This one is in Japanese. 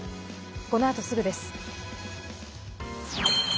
このあとすぐです。